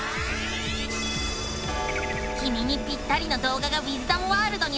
きみにぴったりの動画がウィズダムワールドにあらわれた！